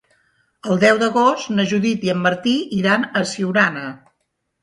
El deu d'agost na Judit i en Martí iran a Siurana.